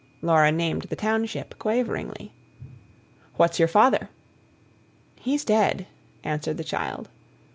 Laura named the township, quaveringly. "What's your father?" "He's dead," answered the child.